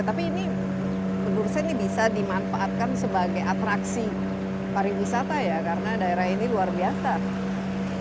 tapi ini menurut saya ini bisa dimanfaatkan sebagai atraksi pariwisata ya karena daerah ini luar biasa